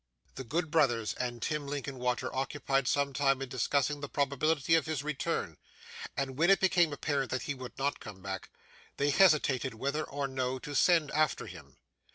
The good brothers and Tim Linkinwater occupied some time in discussing the probability of his return; and, when it became apparent that he would not come back, they hesitated whether or no to send after him.